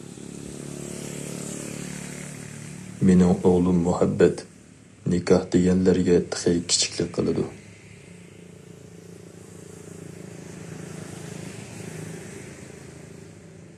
مىنىڭ ئوغلۇم مۇھەببەت، نىكاھ دېگەنلەرگە تېخى كىچىكلىك قىلىدۇ.